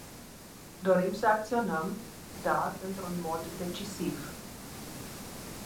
Dorim să acționăm, dar într-un mod decisiv.